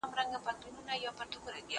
کار د زده کوونکي له خوا کيږي!؟